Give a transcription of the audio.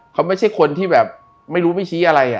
เขาไม่ใช่คนที่แบบไม่รู้ไม่ชี้อะไร